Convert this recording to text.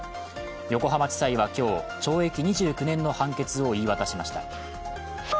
横浜地裁は今日、懲役２９年の判決を言い渡しました。